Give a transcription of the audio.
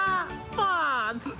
ポーズ！